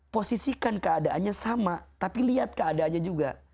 posisikan keadaannya sama tapi lihat keadaannya juga